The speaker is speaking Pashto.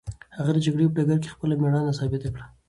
هغه د جګړې په ډګر کې خپله مېړانه ثابته کړه.